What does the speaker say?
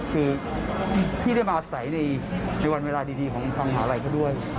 คือพี่ได้มาอาศัยในวันเวลาดีของทางมหาลัยเขาด้วย